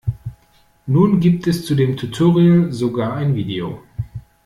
Nun gibt es zu dem Tutorial sogar ein Video.